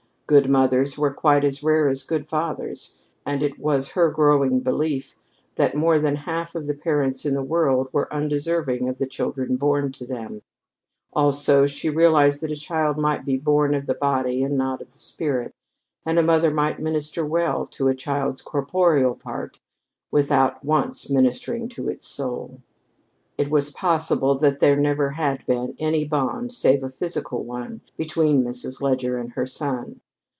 Good mothers were quite as rare as good fathers; and it was her growing belief that more than half of the parents in the world were undeserving of the children born to them. Also, she realized that a child might be born of the body and not of the spirit, and a mother might minister well to a child's corporeal part without once ministering to its soul. It was possible that there never had been any bond save a physical one between Mrs. Leger and her son.